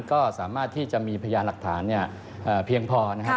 ก็สามารถที่จะมีพยานหลักฐานเพียงพอนะครับ